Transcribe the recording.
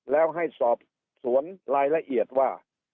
แล้วให้สอบสวนรายละเอียดว่า